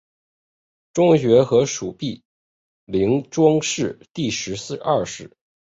庄学和属毗陵庄氏第十二世。